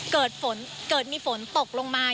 เกิดมีฝนตกลงมา